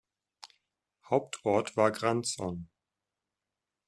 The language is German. Hauptort war Grandson.